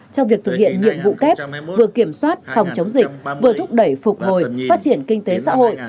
trong việc thực hiện nhiệm vụ kép vừa kiểm soát phòng chống dịch vừa thúc đẩy phục hồi phát triển kinh tế xã hội